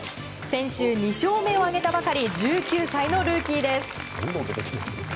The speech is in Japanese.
先週２勝目を挙げたばかり１９歳のルーキーです。